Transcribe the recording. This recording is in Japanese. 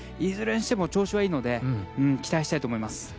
いずれにしても、調子はいいので期待したいと思います。